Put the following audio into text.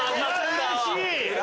うれしい！